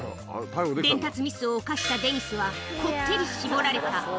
伝達ミスを犯したデニスは、こってり絞られた。